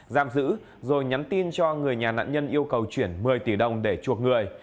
giam giữ rồi nhắn tin cho người nhà nạn nhân yêu cầu chuyển một mươi tỷ đồng để chuộc người